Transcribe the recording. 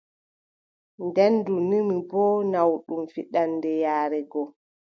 Nden ndu numi boo naawɗum fiɗaande yaare go.